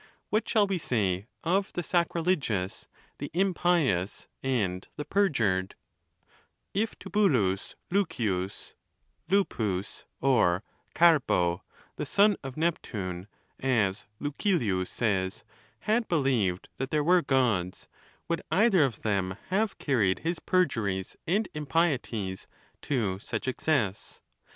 What shall we say of the sacrilegious, the impious, and the per jured ? If Tubulus Lucius, Lupus, or Garbo the son of \ 232 THE NATURE OF THE GODS. Neptune, as Lucilius says, had believed that there were Gods, would either of them have carried his perjuries and impieties to such excess?